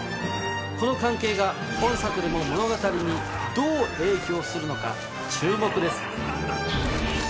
この関係が本作でも物語にどう影響するのか注目です。